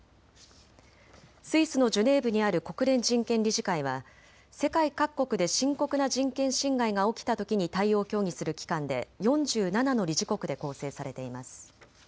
スイスのジュネーブにある国連人権理事会は世界各国で深刻な人権侵害が起きたときに対応を協議する機関で４７の理事国で構成されています。